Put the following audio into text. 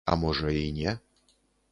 А можа, і не.